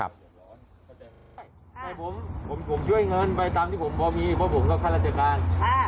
ใช่ผมช่วยเงินไปตามที่ผมพอมีเพราะผมก็ข้าราชการ